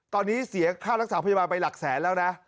ตอนนี้เสียค่ารักษาพยาบาลไปหลักแสนแล้วนะ